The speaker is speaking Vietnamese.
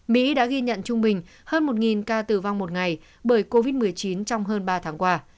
mỹ đã ghi nhận trung bình hơn một ca tử vong một ngày bởi covid một mươi chín trong hơn ba tháng qua